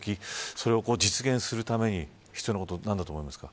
それを実現するために必要なこと何だと思いますか。